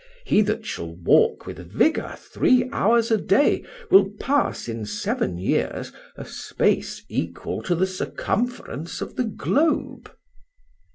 He that shall walk with vigour three hours a day, will pass in seven years a space equal to the circumference of the globe."